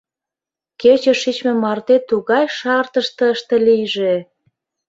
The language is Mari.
Кече шичме марте тугай шартыш тыште лийже!